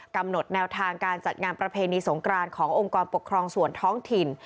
กำหนดแนวทางการจัดงานประเพณีสงกรานขององค์กรปกครองส่วนท้องถิ่น